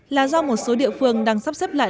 là do một số địa phương đang sắp xếp lại